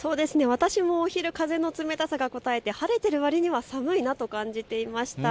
私もお昼、風の冷たさがこたえて晴れているわりには寒いなと感じていました。